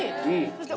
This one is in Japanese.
そして。